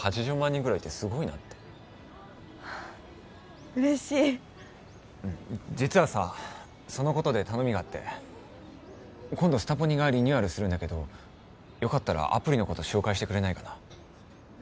人ぐらいいてすごいなって嬉しいうん実はさそのことで頼みがあって今度スタポニがリニューアルするんだけどよかったらアプリのこと紹介してくれないかな？